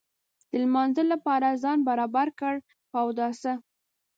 د لمانځه لپاره ځان برابر کړ په اوداسه.